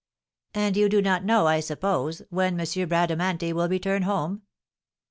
"And you do not know, I suppose, when M. Bradamanti will return home?"